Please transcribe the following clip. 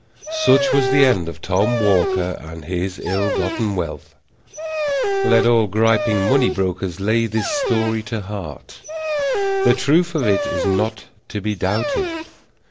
Such was the end of Tom Walker and his ill gotten wealth. Let all gripping money brokers lay this story to heart. The truth of it is not to be doubted.